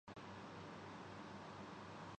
اب ختم ہوگیا۔